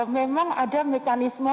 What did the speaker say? memang ada mekanisme